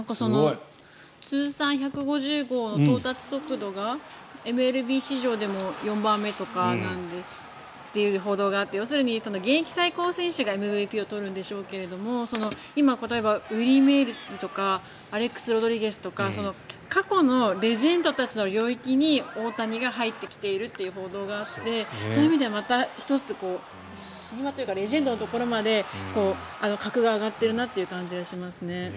通算１５０号の到達速度がＭＬＢ史上でも４番目とかという報道があって要するに現役最高選手がＭＶＰを取るんでしょうけど例えばアレックス・ロドリゲスとか過去のレジェンドたちの領域に大谷が入ってきているという報道があって格が上がっているなという感じがしますね。